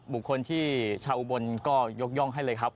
บุคคลที่ชาวอุบลก็ยกย่องให้เลยครับ